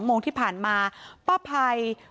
คุณผู้ชมค่ะทีนี้มาดูทางฝังของป้าพัยผู้ซื้อนะคะ